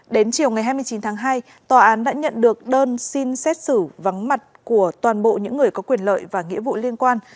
đến chiều ngày hai mươi chín tháng hai tòa án đã nhận được đơn xin xét xử vắng mặt của toàn bộ những người có quyền lợi và nghĩa vụ liên quan